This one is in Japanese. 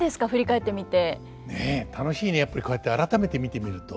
やっぱりこうやって改めて見てみると。